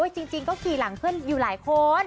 จริงก็ขี่หลังเพื่อนอยู่หลายคน